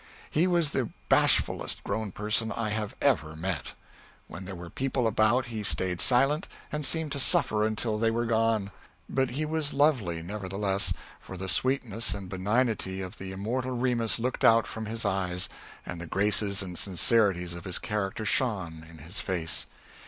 He was the bashfulest grown person I have ever met. When there were people about he stayed silent, and seemed to suffer until they were gone. But he was lovely, nevertheless; for the sweetness and benignity of the immortal Remus looked out from his eyes, and the graces and sincerities of his character shone in his face.